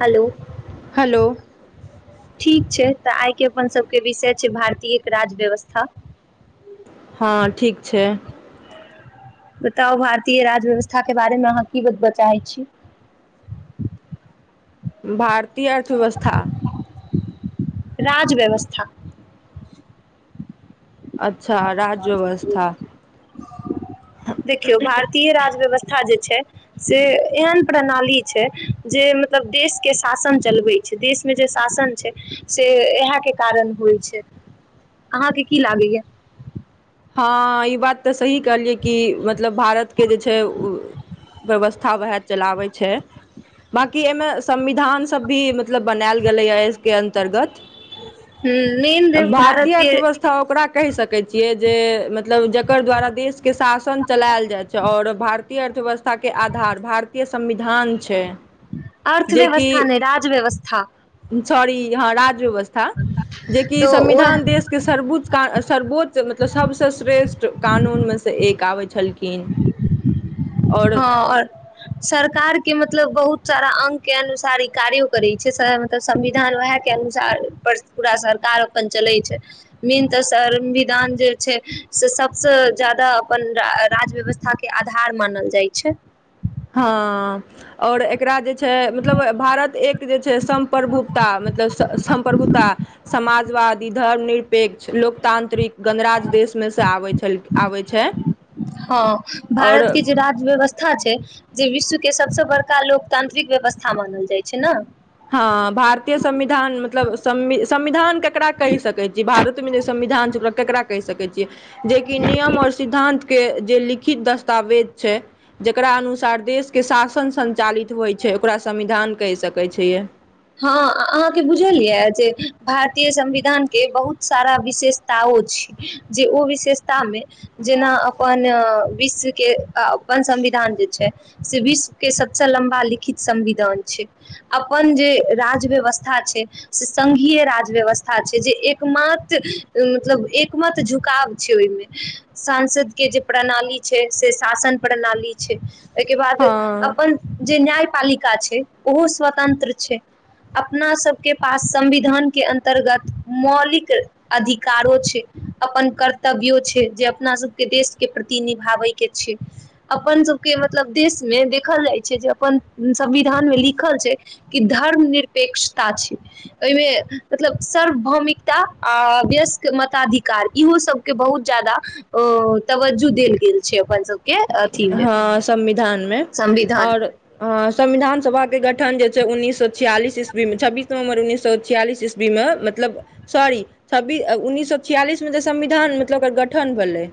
Hello hello. ठीक छै त आइके अपन सबके विषय छै भारतीयक राज्य व्यवस्था हँ ठीक छै। बताउ भारतीय राज व्यवस्थाके बारेमे अहाँ की बतब चाहै छी। भारतीय अर्थव्यवस्था। राज व्यवस्था। अच्छा राज्य व्यवस्था [unintelligible] देखियौ भारतीय राज व्यवस्था जे छै से एहन प्रणाली छै जे मतलब देशके शासन चलबै छै, देशमे जे शासन छै से इएहके कारण होइ छै, अहाँके की लागैए? हँ ई बात त सही कहलियै कि मतलब भारतके जे छै व्यवस्था वैह चलाबै छै, बाँकी एहिमे संविधान सब भी मतलब बनायल गेलैए एहिके अन्तर्गत मेन भारतीय भारत के अर्थव्यवस्था ओकरा कहि सकै छियै से मतलब जकर द्वारा देश के शासन चलायल जाइ छै और भारतीय अर्थव्यवस्थाके आधार भारतीय संविधान छै। अर्थव्यवस्था नहि राज व्यवस्था साॅरी वैह राजव्यवस्था। हां, जे कि तऽ ओह संविधान देशके सर्वोच्च था सर्वोच्च से सबसे श्रेष्ठ कानूनमे से एक आबै छलखिन। आओर हां, और सरकार के के मतलब बहुत सारा अंग के अनुसार इ कार्य करै छै मतलब संविधान वैह के अनुसार पर पूरा सरकार अपन चले छै, मेन त संविधान जे छै से सबसे जादा अपन राजव्यवस्था के आधार मानल दैत छै। हां, और एकरा जे मतलब भारत एक जे छै सम्प्रभुता मतलब सम्प्रभुता समाजवादी धर्मनिरपेक्ष, लोकतांत्रिक गणराज्य देशमे से आबै छल आबै छै। हां, आओर भारत के जे राजव्यवस्था व्यवस्था छै जे विश्व के सबसे बड़का लोकतांत्रिक व्यवस्था मानल जाइ छै ने। हां, भारतीय संविधान मतलब संविध संविधान ककरा कहि सकैत छियै, भारतमे जे संविधान छै ओकरा, ककरा कहि सकैत छियै जेकि नियम और सिद्धांत के जे लिखित दस्तावेज छै जेकरा अनुसार देश के शासन संचालित होइत छै ओकरा संविधान कहि सकैत छियै। हां, अहाँके बुझल ये जे भारतीय संविधानके बहुत सारा विशेषताओ छै जे ओ विशेषतामे जेना अपन विश्वके अपन संविधान जे छै से विश्वके सभसं लम्बा लिखित संविधान छै। अपन जे राज व्यवस्था छै से संघीय राज व्यवस्था छै जे एकमात्र मतलब एकमत झुकाव छै ओहिमे, सांसद के जे प्रणाली छै से शासन प्रणाली छै। एहिके बाद हँ अपन जे न्यायपालिका छै ओहो स्वतंत्र छै। अपना सबके पास संविधान के अन्तर्गत मौलिक अधिकारो छै, अपन कर्तव्यो छै जे अपना सबके देश के प्रति निभाबै के छै, अपन सबके मतलब देशमे देखल जाइ छै जे अपन संविधान मे लिखल छै कि धर्म निरपेक्षता छै एहिमे मतलब सार्वभौमिकता आ वयस्क मताधिकार इहो सब के बहुत ज्यादा तवज्जो देल गेल छै अपन सब हां संविधानमे, संविधान और संविधान सभा के गठन जे छै उन्नैस सौ छियालीस इस्वी मे छब्बीस नवम्बर उन्नैस सौ छियालीस ईसवी मे मतलब सारी छब्बीस उन्नीस सौ छियालीस मे त संविधान मतलब गठन भेलै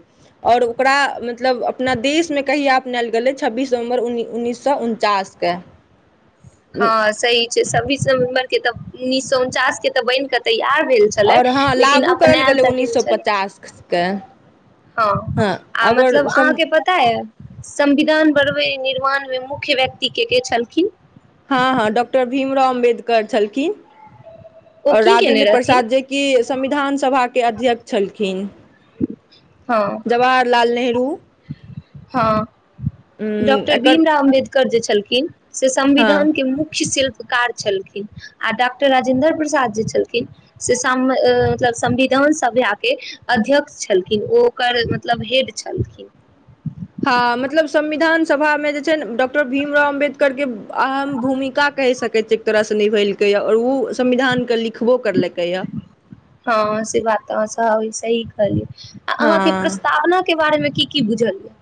और ओकरा मतलब बीस मे कहीं अपनायल गेलै छब्बीस नवम्बर उन्नैस सौ उनचासके। हां सही छै छ्ब्बीस नवम्बर के त उन्नीस सौ उनचास के त बनि के तैयार भेल छलै और हँ लेकिन लागू करल अपनायल गेलै तऽ उन्नैस गेल सए छलै पचासके। हँ आ मतलब अगर सम अहाँके पता यै संविधान बढ़बै निर्माण मे मुख्य व्यक्ति के के छलखिन? अम्बेडकर छलखिन। ओ आओर की केने राजेन्द्र रहथिन प्रसाद जे कि संविधान सभा के अध्यक्ष छलखिन। हँ जवाहरलाल नेहरू। हां। डॉक्टर एकर भीमराव अम्बेदकर करजे छलखिन से हँ संविधान के मुख्य शिल्प कार छलखिन आ डॉक्टर राजेन्द्र प्रसाद जे छलखिन से सांब मतलब संविधान सभयाके अध्यक्ष छलखिन ओ ओकर मतलब हेड छलखिन। हँ मतलब संविधान सभामे जे छै ने डॉक्टर भीमराव अम्बेदकरके अहम भूमिका कहि सकैत छी एक तरहसँ निभैलकैए आओर ओ संविधानके लि हँ से बात तऽ अहाॅं तऽ सही कहलीयै। आ अहाँके हँ प्रस्तावना के बारेमे की की बुझलयै।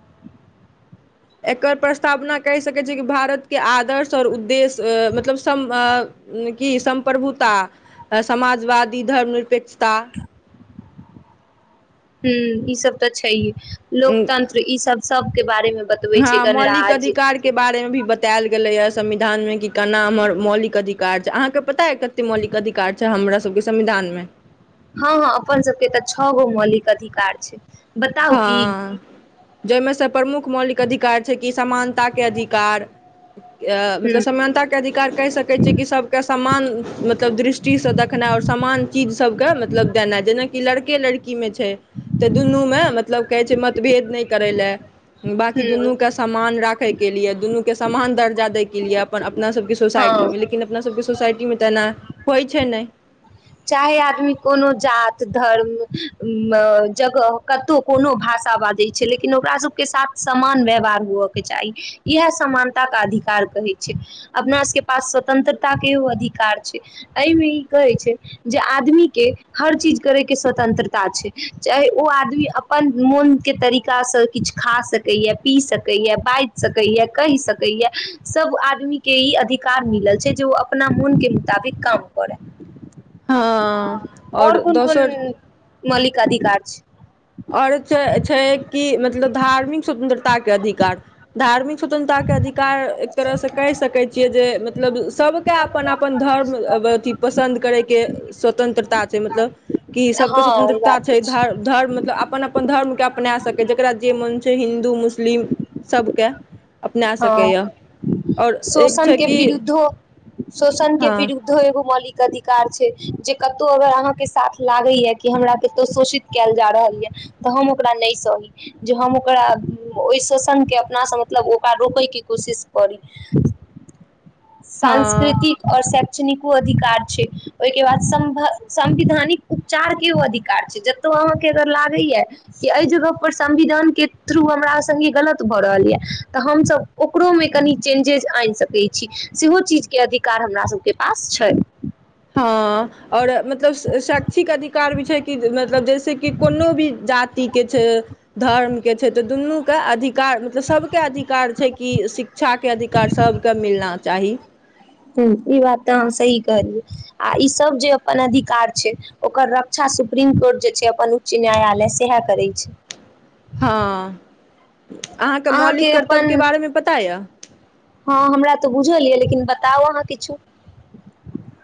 एकर प्रस्तावना कहि सकैत छी कि भारत के आदर्श आओर उद्देश्य मतलब सम अ कि सम्प्रभुता, समाजवादी, धर्म निरपेक्ष ता हं ई सब तऽ छैए। लोकतंत्र ई सब सबके बारे हँ मौलिक अधिकार के बारे मे भी बतायल गेलैयै। संविधान मे कि कना हमर मौलिक अधिकार छै अहाँके पता ऐ कते मौलिक अधिकार छै हमरा सबके संविधान मे। हँ हँ अपन सबके तऽ छओ गो मौलिक अधिकार छै। बताउ की? हँ जाहिमे स प्रमुख मौलिक अधिकार छै कि समानता के अधिकार अ मतलब हूँ समानता के अधिकार कहि सकै छियै कि सबके समान मतलब दृष्टि स देखनाइ और समान चीज सबके मतलब देनाइ जेनाकि कि लड़के लड़की में छै तऽ दुनू मे मतलब कहै छै मतभेद नहि करय लए बाँकी हूँ दुनूकेँ समान राखयके लिए दुनूके समान दर्जा दैके लिए अपन अपनासभके हँ सोसाइटीमे लेकिन अपनासभके सोसाइटीमे तऽना होइ छै नहि चाहे आदमी कोनो जात, धर्म, जगह कतहु कोनो भाषा बाजै छै लेकिन ओकराभके साथ समान व्यवहार हुअके चाही इएह समानताके अधिकार कहै छै अपना सभके पास स्वतन्त्रताकेओ अधिकार छै एहिमे ई कहै छै जे आदमीके हर चीज करयके स्वतन्त्रता छै चाहे ओ आदमी अपन मोनके तरीकासँ किछु खा सकैए पी सकैए बाजि सकैए कहि सकैए सभ आदमीके ई अधिकार मिलल छै जे ओ अपना मोनके मुताबिक काम करै। हँ और आओर कोन कोन दोसर मौलिक अधिकार छै? और छै छै कि मतलब धार्मिक स्वतंत्रता के अधिकार, धार्मिक स्वतंत्रता के अधिकार एक तरह से कैह सकै छियै जे मतलब सबके अपन-अपन छै धर्म अ व अथि पसन्द करैके स्वतंत्रता छै, मतलब कि सबके हँ ई स्वतंत्रता बात छै धर अछि धर्म ल अपन-अपन धर्मके अपना सकै जेकरा जे मन छै हिन्दू, मुस लिम सबके। हँ एक शोषन छै के कि विरुद्धो शोषन के हँ बिरुद्धो एगो मौलिक कअधिकार छै जे कतहु अगर अहाँके साथ लागैया कि हमरा कतौ शोषित कयल जा रहल यै तऽ हम ओकरा नहि सही जे हम ओकरा ओहि शोषण के अपनासँ मतलब ओ रोकैके कोशिश करी हँ सांस्कृतिक और शै क्षणिको अधिकार छै, ओय के बाद सम भ संविधानिक उपचारके ओ अधिकार छै, जतौ अहाँके अगर लागै या कि ए जगह पर संविधानके थ्रू हमरा संगे गलत भऽ रहल या। तऽ हम सब ओकरो मे कनि चेंजेज ऐन सकै छी सेहो चीजके अधिकार हमरा सबके पास छै। हां और मतलब शैक्षिक अधिकार भी छै कि मतलब जैसे ती की कोनो भी जाति के छै, धर्म के छै तऽ दुनू के अधि कार मतलब सबके अधिकार छै। कि शिक्षाके अधिकार सबके मिलना चाही। हुं ई बात तऽ अहाँ सही कहलियै आ इ सब जे अपन अधिकार छै, ओकर रक्षा सुप्रीम कोर्ट जे छै अपन उच्च न्यायालय सेहाए करै छै। हाँ। अहाँके अपन पता यए हां हमरा तऽ बुझल या लेकिन ब ताउ अहाँ किछु।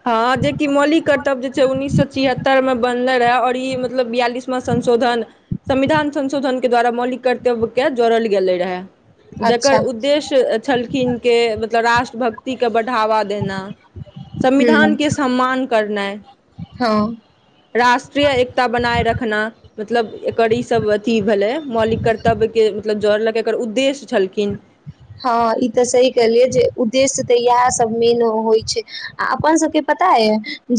हाँ जे कि मौलिक कर्तव्य जे छै उन्नीस सौ छिहत्तर मे बनले रहै और ई मतलब बियालिसमा संशोधन संविधान संशोधन के द्वारा मौलिक कर्तव्य के जोड़ल गेले रहै। जकर अच्छा उद्देश्य छलखिन के मतलब राष्ट्रभक्ति के बढ़ावा देना। विधान हूँ के सम्मान करनाय, हँ राष्ट्रीय एकता बनाए रखना मतलब एकर ई सब अथी भेलै मौलिक कर्तव्य के मतलब जोड़लके एकर उद्देश्य छल हाँ इ तऽ सही कहलियै जे उ द्देश्य तऽ इहाए सब मेन होय छै आ अपन सबके पता ए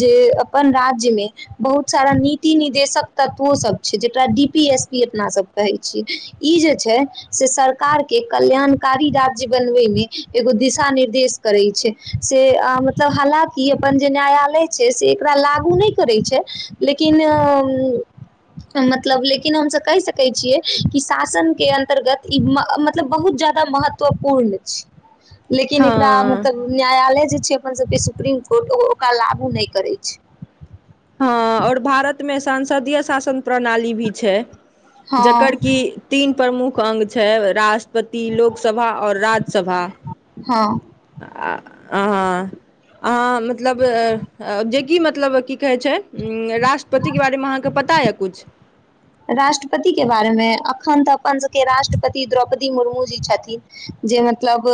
जे अपन राज्य मे बहुत सारा नीति निदेशक तत्वो सब छै, जेकरा डी पी एस पी अपना सब कहै छी, इ जे छै से सरकार के कल्याणकारी राज्य बनबै मे एगो दिशा निर्देश करै छै से आ मतलब हालाँकि अपन जे न्यायालय छै से एकरा लागू नै करै छै, लेकिन मतलब लेकिन हम सब कैह सकै छियै कि शासन के अन्तर्गत इ म म मतलब बहुत ज्यादा महत्वपूर्ण छै। लेकिन हँ एकरा मतलब न्यायालय जे छै। अपन सबके सुप्रीम कोर्ट ओ ओकरा लागू नै करै छै। हाँ और भारत मे सांसदीय शासन प्रणाली भी छै। हँ जकर कि तीन प्रमुख अंग छै राष्ट्र पति, लोकसभा और राज्यसभा। हां। आ अहां अहाँ मतलब अ जे कि मतलब की कहै छै उम्म राष्ट्रपति के बारे मे अहाँ के पता या कुछ। राष्ट्रपति के बारेमे अखन तऽ अपन सबके राष्ट्रपति द्रौपदी मुर्मू जी छथिन जे मतलब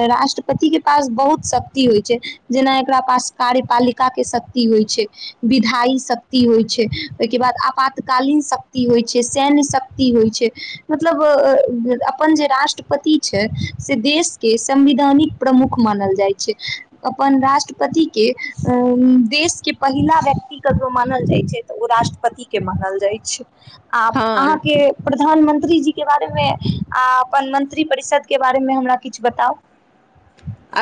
ए राष्ट्रपति के पास बहुत शक्ति होय छै, जेना एकरा पास कार्यपालिका के शक्ति होय छै, विधाई शक्ति होय छै, ओय के बाद आपातकालीन शक ति होइ छै सैन्य शक्ति होइ छै मतलब अ अ अपन जे राष्ट्रपति छै से देशके संविधानिक प्रमुख मानल जाइ छै अपन राष्ट्रपतिके देशके पहिला व्यक्ति ककरो मानल जाइ छै तऽ ओ राष्ट्रपतिके मानल जाइ छै। आ हँ अहाँके प्रधानमंत्री मंत्रीजीके बारेमे आ अपन मंत्रिपरिषदके बारेमे हमरा किछ बताउ।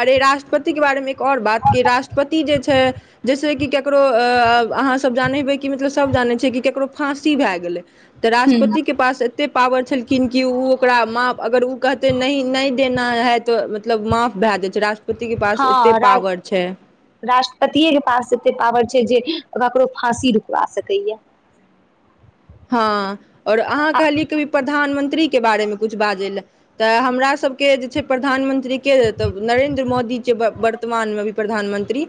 अरे राट्रपति के बारेमे एक और बात की राष्ट्रपति जे छै जैस ते कि केकरो अ अहाँ सब जाने हेबै कि मतलब सब जानै छै कि केकरो फाँसी भाए गेलै। तऽ राष्ट्रपति के पास एते पावर छलखिन कि उ ओकरा माफ, अगर उ कहतै नहि नै देना है तो मतलब माफ भाए जाय छै रास पति के पास एते पॉवर छै। पतिये के पास एते पावर छै जे ककरो फाँसी रुकवा सकैयै। हँ और अहाँ कहलियै कभी प्रधानमं त्री के बारेमे कुछ बाजै लै तऽ हमरा सबके जे छै प्रधानमंत्रीके तऽ नरेन्द्र मोदी छै वर्तमानमे अभी प्रधानमंत्री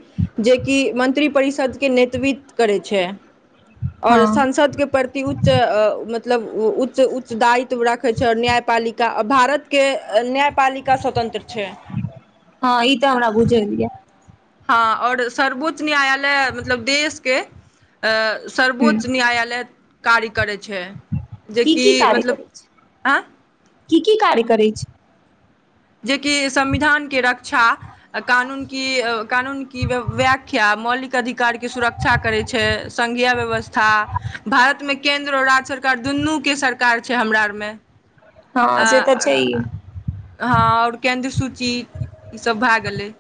जेकि मंत्रि परिषदके नेतृत्व करै छै। और हँ संसद के पर उच्च मतलब उच्च उच्च दायित्व राखै छै आओर न्यायपालिका आ भारत के न्याय हँ ई तऽ हमरा बुझैलये। हँ और सर्वोच्च न्यायालय मतलब देश के अ ह सर्वोच्च न्यायालय कार्य करै की की कार्य करै छै आँय की की कार्य करै छै? जेकि संविधानके रक्षा कानून की कानून की व्याख्या मौलिक अधिकारके सुरक्षा करै छै संघीय व्यवस्था भारतमे केन्द्र आओर राज्य सरकार दुनूके सरकार छै हमरा आरमे हँ आ से तऽ छैयै। हँ और केन्द्र सूची ई सब भए गेलै।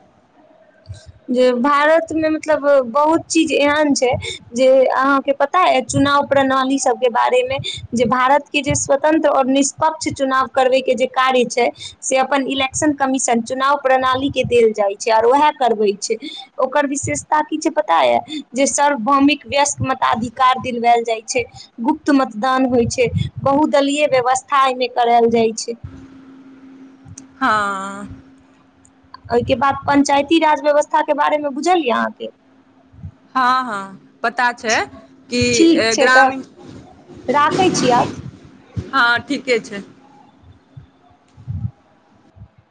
जे भारतमे मतलब बहुत चीज एहन छै जे अहाँके पता ये चुनाव प्रणाली सभके बारेमे जे भारतके जे स्वतंत्र आओर निष्पक्ष चुनाव करबैके जे कार्य छै से अपन इलेक्शन कमीशन चुनाव प्रणालीके देल जाइत छै आओर वैहै करबै छै ओकर विशेषता किछै पता यै जे सर्वभौमिक व्यस्क मताधिकार दिलवैल जाइ छै गुप्त मतदान होइ छै बहुदलीय व्यवस्था एहिमे करैल जाइ छै। हँ ओहिके बाद पञ्चायती राज व्यवस्थाके बारेमे बुझल यए अहाँके? हँ हँ पता छै कि ठीक छै तऽ ग्रामीण राखै छी आब हँ ठीक के छै